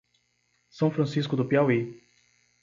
São Francisco do Piauí